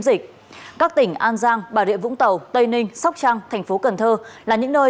dịch các tỉnh an giang bà rịa vũng tàu tây ninh sóc trăng thành phố cần thơ là những nơi